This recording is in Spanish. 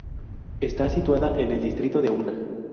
Está situada en el distrito de Unna.